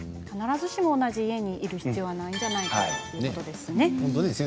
必ずしも同じ家にいる必要はないということですね。